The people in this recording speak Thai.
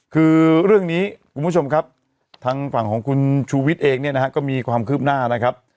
คือเรื่องนี้คุณผู้ชมครับทางฝั่งของคุณชูวิทย์เองเนี่ยนะฮะก็มีความคืบหน้านะครับ